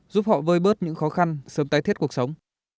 giúp họ vơi bớt những khó khăn sớm tái thiết cuộc sống